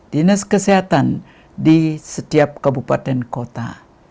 dinas kesehatan di setiap kabupaten kota